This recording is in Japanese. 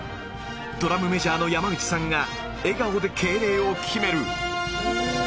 ドラムメジャーの山口さんが笑顔で敬礼を決める。